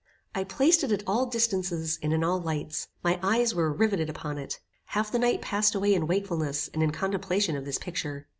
I placed it at all distances, and in all lights; my eyes were rivetted upon it. Half the night passed away in wakefulness and in contemplation of this picture.